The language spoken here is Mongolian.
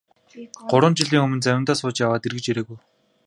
Гурван жилийн өмнө завиндаа сууж яваад эргэж ирээгүй.